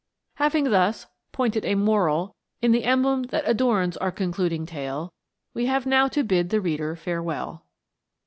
Having thus "pointed a moral" in the emblem that " adorns our concluding tale," we have now to bid the reader farewell.